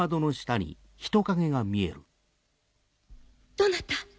どなた？